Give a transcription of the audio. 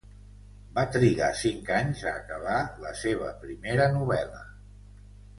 Va trigar cinc anys a acabar la seva primera novel·la.